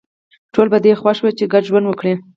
ټول په دې خوښ وي چې ګډ ژوند وکړي